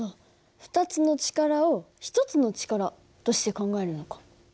２つの力を１つの力として考えるのか。